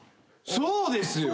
そうですよ！